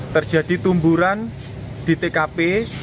terjadi tumburan di tkp